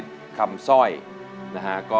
โทษให้